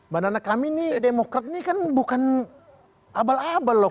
mbak nana kami ini demokrat ini kan bukan abal abal loh